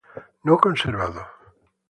No conservado.